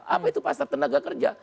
apa itu pasar tenaga kerja